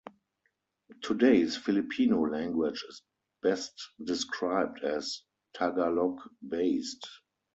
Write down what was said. Today's Filipino language is best described as "Tagalog-based".